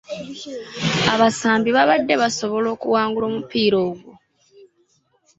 Abasambi babadde basobola okuwangula omupiira ogwo.